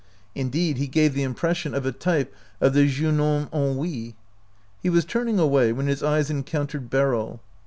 Indeed, he gave the impression of a type of the jeun homme ennuye. He was turning away, when his eyes encountered Beryl.